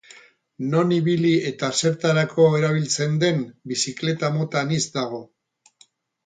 Non ibili eta zertarako erabiltzen den, bizikleta mota anitz dago.